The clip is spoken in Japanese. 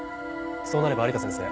そうなれば有田先生